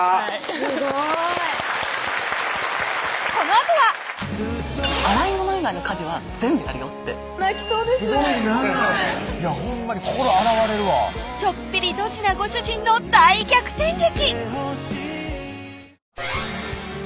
すごいこのあとは「洗い物以外の家事は全部やるよ」ってすごいなぁいやほんまに心洗われるわちょっぴりドジなご主人の大逆転劇！